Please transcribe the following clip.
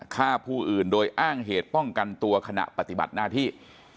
ฆ่าผู้อื่นโดยอ้างเหตุป้องกันตัวขณะปฏิบัติหน้าที่